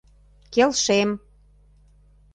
Келшем!